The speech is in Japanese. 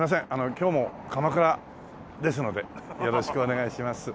今日も鎌倉ですのでよろしくお願いします。